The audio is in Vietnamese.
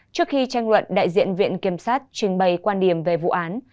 trước khi tranh luận đại diện viện kiểm sát trình bày quan điểm về vụ án